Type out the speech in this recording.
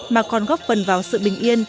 mà còn góp phần vào sự bình yên